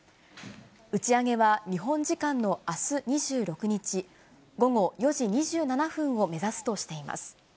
打ち上げは日本時間のあす２６日午後４時２７分を目指すとしています。